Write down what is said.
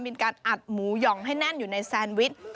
มีการอัดหมูหย่องให้แน่นอยู่ในแซนวิช